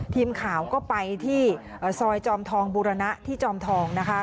ทีมข่าวก็ไปที่ซอยจอมทองบุรณะที่จอมทองนะคะ